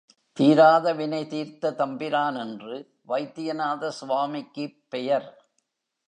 தீராத வினை தீர்த்த தம்பிரான் என்று வைத்தியநாத சுவாமிக்குப் பெயர்.